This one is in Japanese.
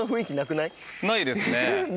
ないですね。